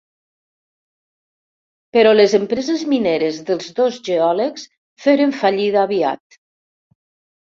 Però les empreses mineres dels dos geòlegs feren fallida aviat.